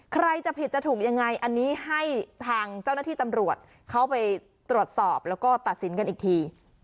ใครจะผิดจะถูกยังไงอันนี้ให้ทางเจ้าหน้าที่ตำรวจเขาไปตรวจสอบแล้วก็ตัดสินกันอีกที